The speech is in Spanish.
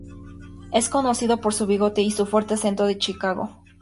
Es conocido por su bigote y su fuerte acento de Chicago.